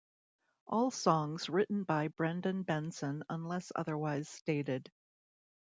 All songs written by Brendan Benson unless otherwise stated.